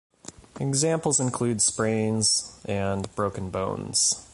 Examples include sprains and broken bones.